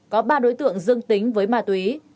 qua test nhanh có ba đối tượng dương tính với ma túy